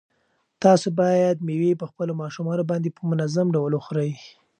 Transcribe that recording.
تاسو باید مېوې په خپلو ماشومانو باندې په منظم ډول وخورئ.